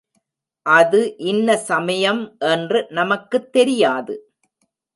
அது இன்ன சமயம் என்று நமக்குத் தெரியாது.